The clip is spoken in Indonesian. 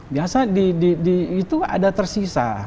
biasa itu ada tersisa